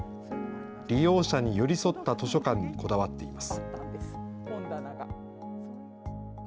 利用者に寄り添った図書館にこだわっています。